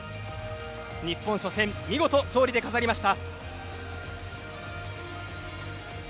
日本、初戦見事勝利で飾りました。